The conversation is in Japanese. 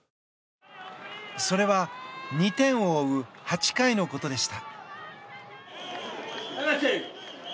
それは、２点を追う８回のことでした。